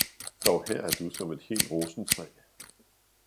dog her er du som et helt rosentræ.